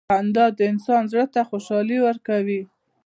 • خندا د انسان زړۀ ته خوشحالي ورکوي.